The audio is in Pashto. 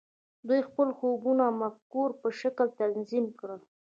دوی خپل خوبونه د مفکورو په شکل تنظیم کړل